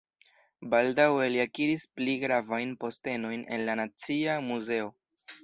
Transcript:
Baldaŭe li akiris pli gravajn postenojn en la Nacia Muzeo.